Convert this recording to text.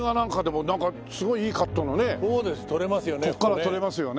撮れますよね